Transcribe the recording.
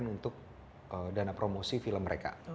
untuk dana promosi film mereka